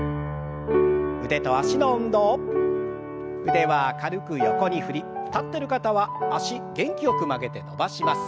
腕は軽く横に振り立ってる方は脚元気よく曲げて伸ばします。